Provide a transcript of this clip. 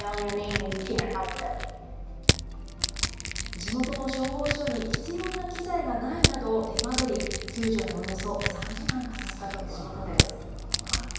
地元の消防署に必要な機材がないなど、手間取り、救助におよそ３時間かかったということです。